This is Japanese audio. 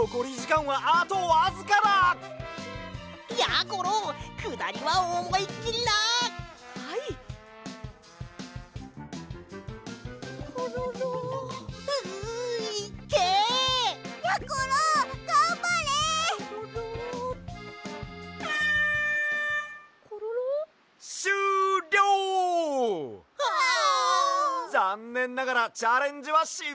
ざんねんながらチャレンジはしっぱいだ！